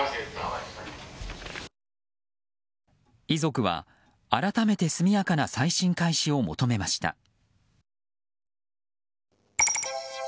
遺族は改めて速やかな再審開始を求めました。